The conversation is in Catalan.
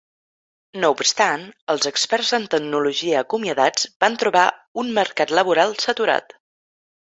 No obstant, els experts en tecnologia acomiadats van trobar un mercat laboral saturat.